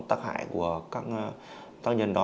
tác hại của các tác nhân đó